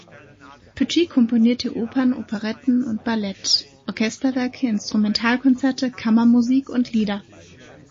Petit komponierte Opern, Operetten und Ballette, Orchesterwerke, Instrumentalkonzerte, Kammermusik und Lieder.